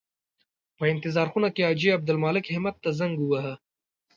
په انتظار خونه کې حاجي عبدالمالک همت ته زنګ وواهه.